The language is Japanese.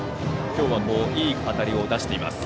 今日はいい当たりを出しています。